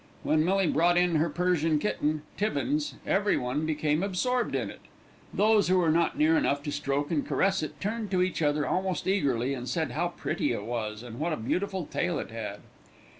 When Millie brought in her Persian kitten, "Tibbins," everyone became absorbed in it. Those who were not near enough to stroke and caress it turned to each other almost eagerly and said how pretty it was, and what a beautiful tail it had.